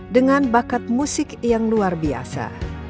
dengan bakat musik yang luar biasa